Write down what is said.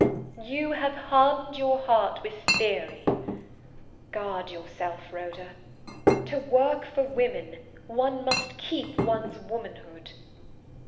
You have hardened your heart with theory. Guard yourself, Rhoda! To work for women one must keep one's womanhood.